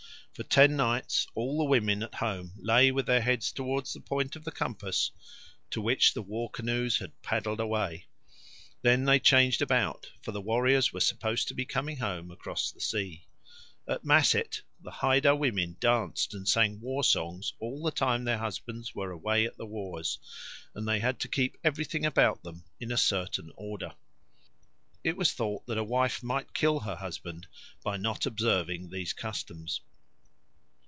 For ten nights all the women at home lay with their heads towards the point of the compass to which the war canoes had paddled away. Then they changed about, for the warriors were supposed to be coming home across the sea. At Masset the Haida women danced and sang war songs all the time their husbands were away at the wars, and they had to keep everything about them in a certain order. It was thought that a wife might kill her husband by not observing these customs.